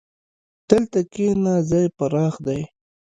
دلته کښېنه، ځای پراخ دی.